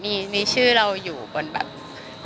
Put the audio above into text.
ไม่ชอบมีชื่อเราอยู่บนอะไรอย่างงี้